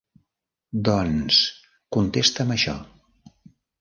Doncs contesta'm això.